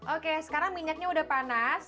oke sekarang minyaknya udah panas